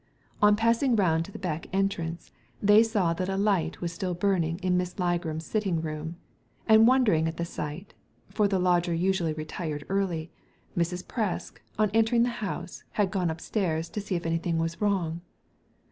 On passing round to the back entrance they saw that a light was still burning in Miss Ligram's sitting room, and, wondering at the sight — for the lodger usually retired early — Mrs. Presk, on entering the house, had gone upstairs to see if anything was wrong.